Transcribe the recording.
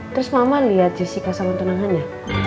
terus mama lihat jessica sama tunangannya